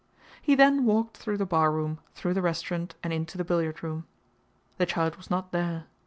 He then walked through the barroom, through the restaurant, and into the billiard room. The child was not there.